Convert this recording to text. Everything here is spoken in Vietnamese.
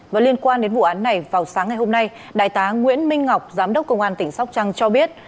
và liên quan đến vụ án này vào sáng ngày hôm nay đại tá nguyễn minh ngọc giám đốc công an tỉnh sóc trăng cho biết